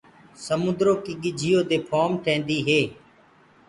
سموندرو ڪي ڳِجھيِو دي ڦوم ٽيندي هي۔